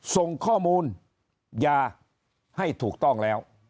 ส่งข้อมูลยาให้ถูกต้องแล้ว